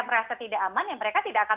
merasa tidak aman ya mereka tidak akan